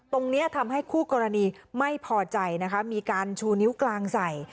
ตรงนี้ทำให้คู่กรณีไม่พอใจนะคะมีการชูนิ้วกลางใส่